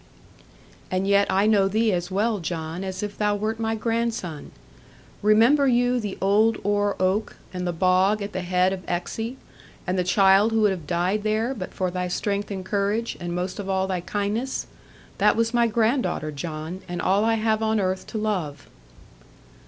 'And yet I know thee as well, John, as if thou wert my grandson. Remember you the old Oare oak, and the bog at the head of Exe, and the child who would have died there, but for thy strength and courage, and most of all thy kindness? That was my granddaughter, John; and all I have on earth to love.'